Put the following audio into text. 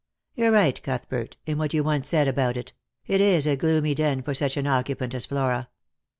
You're right, Cuthbert, in what you once said about it ; it is a gloomy den for such an occupant as Flora.